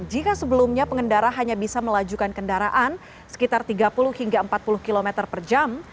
jika sebelumnya pengendara hanya bisa melajukan kendaraan sekitar tiga puluh hingga empat puluh km per jam